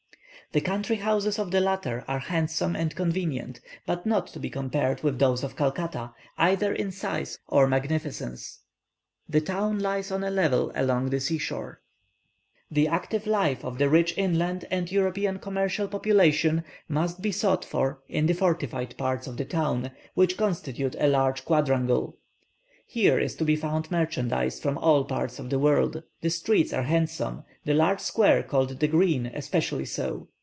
The country houses of the latter are handsome and convenient, but not to be compared with those of Calcutta, either in size or magnificence. The town lies on a level, along the sea shore. The active life of the rich inland and European commercial population must be sought for in the fortified parts of the town, which constitute a large quadrangle. Here is to be found merchandise from all parts of the world. The streets are handsome, the large square called The Green especially so.